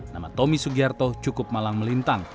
nama tomi sugierto cukup malang melintang